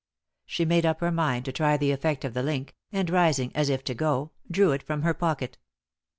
She made up her mind to try the effect of the link, and, rising as if to go, drew it from her pocket.